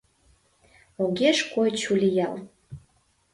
Огеш кой чулият.